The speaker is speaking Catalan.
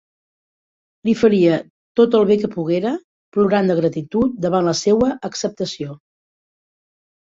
Li faria tot el bé que poguera, plorant de gratitud davant la seua acceptació.